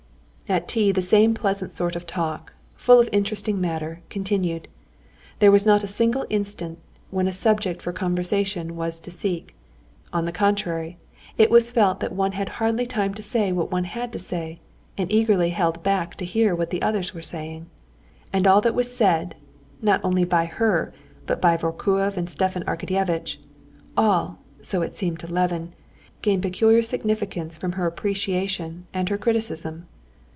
At tea the same pleasant sort of talk, full of interesting matter, continued. There was not a single instant when a subject for conversation was to seek; on the contrary, it was felt that one had hardly time to say what one had to say, and eagerly held back to hear what the others were saying. And all that was said, not only by her, but by Vorkuev and Stepan Arkadyevitch—all, so it seemed to Levin, gained peculiar significance from her appreciation and her criticism.